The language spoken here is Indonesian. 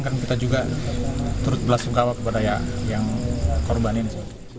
kan kita juga turut belasungkawa kepada yang korban ini